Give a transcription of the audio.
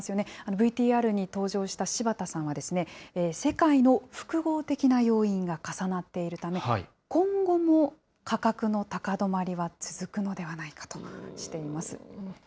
ＶＴＲに登場した柴田さんはですね、世界の複合的な要因が重なっているため、今後も価格の高止まりは続くのではないかとしています。